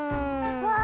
うわ！